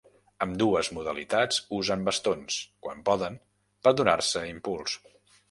Ambdues modalitats usen bastons, quan poden, per donar-se impuls.